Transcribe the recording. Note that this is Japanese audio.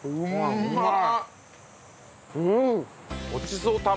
うまい！